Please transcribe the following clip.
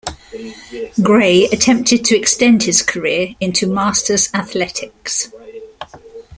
Gray attempted to extend his career into masters athletics.